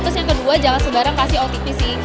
terus yang kedua jangan sebarang kasih otp sih